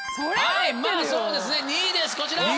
そうですね２位ですこちら。